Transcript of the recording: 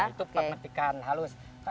itu pemetikan halus